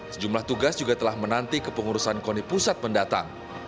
sejumlah tugas juga telah menanti kepengurusan koni pusat mendatang